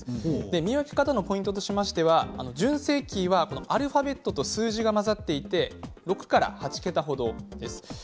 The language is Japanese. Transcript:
見分け方のポイントとしましては純正キーはアルファベットと数字が混ざっていて６から８桁程です。